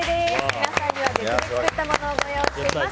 皆さんには別で作ったものをご用意しております。